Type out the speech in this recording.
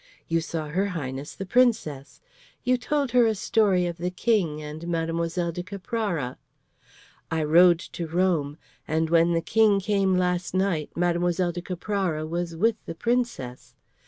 You saw her Highness the Princess. You told her a story of the King and Mlle. de Caprara. I rode to Rome, and when the King came last night Mlle. de Caprara was with the Princess.